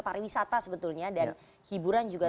pariwisata sebetulnya dan hiburan juga